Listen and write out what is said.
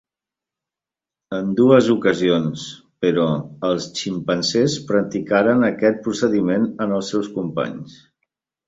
En dues ocasions, però, els ximpanzés practicaren aquest procediment en els seus companys.